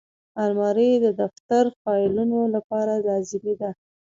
الماري د دفتر فایلونو لپاره لازمي ده